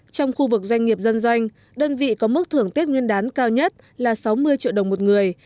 trong khu vực doanh nghiệp dân doanh đơn vị có mức thưởng tết nguyên đán cao nhất là sáu mươi triệu đồng một người